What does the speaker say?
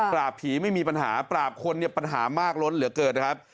ผีไม่มีปัญหาปราบคนเนี่ยปัญหามากล้นเหลือเกินนะครับ